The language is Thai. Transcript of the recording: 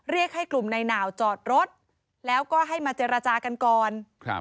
เรียกให้กลุ่มในหนาวจอดรถแล้วก็ให้มาเจรจากันก่อนครับ